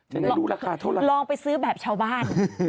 ไม่รู้ราคาเท่าไหร่ลองไปซื้อแบบชาวบ้าน